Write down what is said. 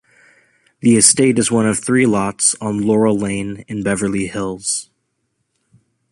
The estate is one of three lots on Laurel Lane in Beverly Hills.